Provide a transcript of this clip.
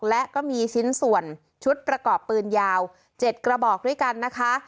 และก็มีชิ้นส่วนชุดประกอบปืนยาว๗กระบอกด้วยกันนะคะ